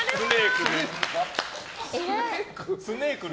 スネークで。